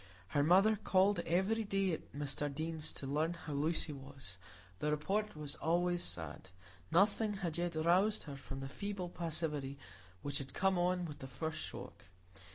Her mother called every day at Mr Deane's to learn how Lucy was; the report was always sad,—nothing had yet roused her from the feeble passivity which had come on with the first shock.